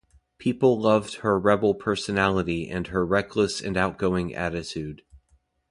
People loved her rebel personality and her reckless and outgoing attitude.